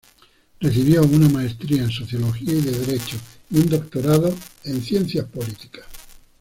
Recibió una maestría en sociología y de derecho, y un doctorado en ciencias políticas.